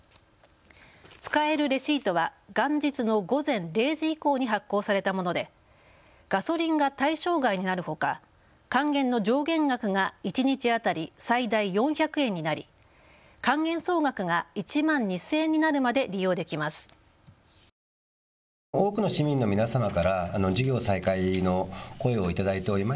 使えるレシートは元日の午前０時以降に発行されたものでガソリンが対象外になるほか還元の上限額が一日当たり最大４００円になり還元総額が１万２０００円になるまで利用できます。